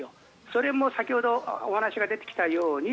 それも先ほどお話が出てきたように